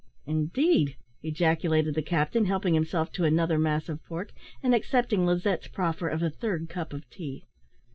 "Indeed," ejaculated the captain, helping himself to another mass of pork, and accepting Lizette's proffer of a third cup of tea.